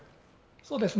そうですね。